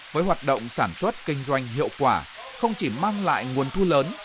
với hoạt động sản xuất kinh doanh hiệu quả không chỉ mang lại nguồn thu lớn